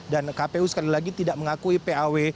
dan kpu sekali lagi tidak mengakui paw